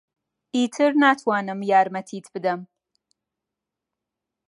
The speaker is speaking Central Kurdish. ئیتر ناتوانم یارمەتیت بدەم.